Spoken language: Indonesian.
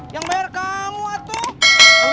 yang bayar kamu atuh